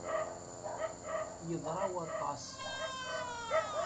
Yeḍra waṭas!